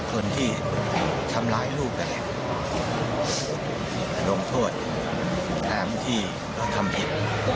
คนที่ทำร้ายลูกแบบโดมโทษแถมที่เขาทำผิด